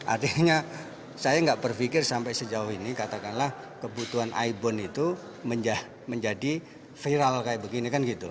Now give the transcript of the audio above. artinya saya nggak berpikir sampai sejauh ini katakanlah kebutuhan ibon itu menjadi viral kayak begini kan gitu